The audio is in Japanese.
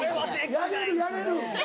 やれるやれる。